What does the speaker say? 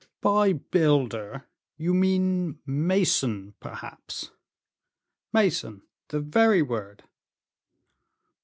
"By builder, you mean mason, perhaps?" "Mason; the very word."